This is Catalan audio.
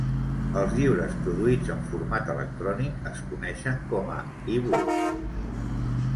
Els llibres produïts en format electrònic es coneixen com a e-books.